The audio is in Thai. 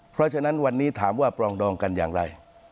เพราะฉะนั้นวันนี้ถามว่าปรองดองกันอย่างไร